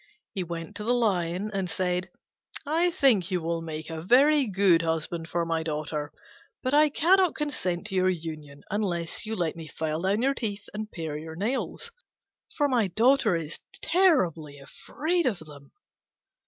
He went to the Lion and said, "I think you will make a very good husband for my daughter: but I cannot consent to your union unless you let me draw your teeth and pare your nails, for my daughter is terribly afraid of them."